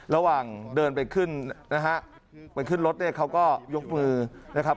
ระหว่างเดินไปขึ้นนะฮะไปขึ้นรถเนี่ยเขาก็ยกมือนะครับ